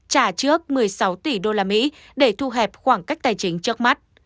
các quốc gia giàu trả trước một mươi sáu tỷ usd để thu hẹp khoảng cách tài chính trước mắt